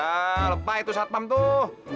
nah lepah itu satpam tuh